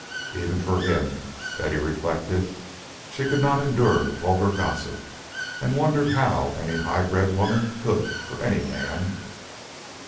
Even for him, Betty reflected, she could not endure vulgar gossip, and wondered how any high bred woman could for any man.